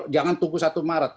jangan tunggu satu maret